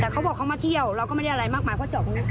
ไม่มีอ่ะไม่มีแล้ว